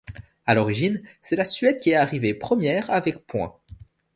À l'origine, c'est la Suède qui est arrivée première avec points.